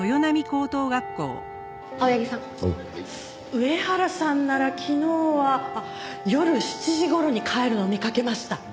上原さんなら昨日は夜７時頃に帰るのを見かけました。